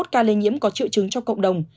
ba mươi một ca lây nhiễm có triệu chứng cho cộng đồng